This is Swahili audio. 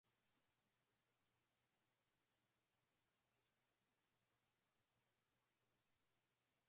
wangepoteza maisha bila hatia yoyote Kwame Nkrumah tarehe ishirini na moja mwezi wa tisa